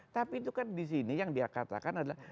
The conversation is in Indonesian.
tapi itu kan disini yang dikatakan adalah